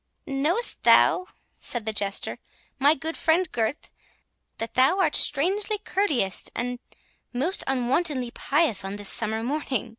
"Knowest thou," said the Jester, "my good friend Gurth, that thou art strangely courteous and most unwontedly pious on this summer morning?